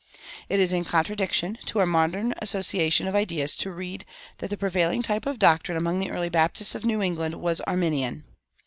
It is in contradiction to our modern association of ideas to read that the prevailing type of doctrine among the early Baptists of New England was Arminian.